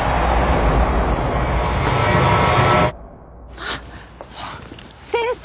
あっ先生。